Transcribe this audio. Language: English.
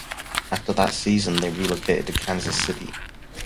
After that season, they relocated to Kansas City.